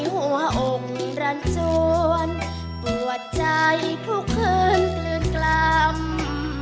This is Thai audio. หัวใจทุกขึ้นเกลือนกล่ำ